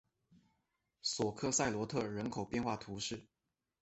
索克塞罗特人口变化图示